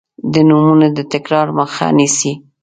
د نومونو د تکرار مخه نیسي.